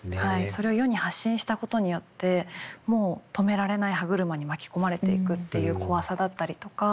それを世に発信したことによってもう止められない歯車に巻き込まれていくっていう怖さだったりとか。